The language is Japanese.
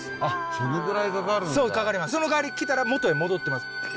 そのかわり来たら元へ戻ってます。